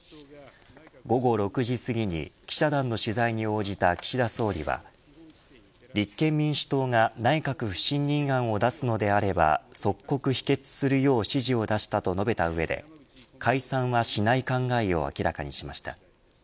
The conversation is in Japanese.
午後６時すぎに記者団の取材に応じた岸田総理は立憲民主党が内閣不信任案を出すのであれば即刻否決するよう指示を出したと述べた上で解散はしない考えを明らかにしました。